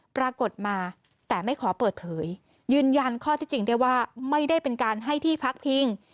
ปรากฏมาแต่ไม่ขอเปิดเผยยืนยันข้อที่จริงได้ว่าไม่ได้เป็นการให้ที่พักพิง